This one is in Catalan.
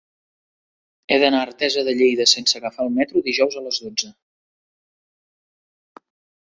He d'anar a Artesa de Lleida sense agafar el metro dijous a les dotze.